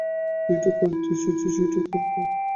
যেটা করতে এসেছি সেটাই করবো।